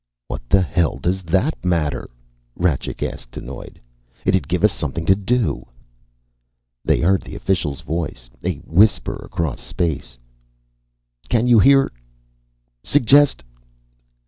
"What the hell does that matter?" Rajcik asked, annoyed. "It'd give us something to do." They heard the official's voice, a whisper across space. "Can you hear ... Suggest